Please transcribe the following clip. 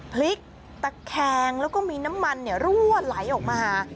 พลิกตะแคงแล้วก็มีน้ำมันรั่วไหลออกมา